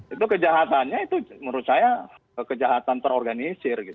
itu kejahatannya itu menurut saya kejahatan terorganisir gitu